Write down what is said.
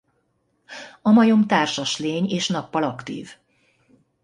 A majom társas lény és nappal aktív.